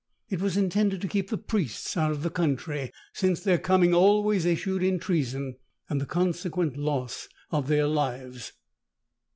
It was intended to keep the priests out of the country, since their coming always issued in treason and the consequent loss of their lives.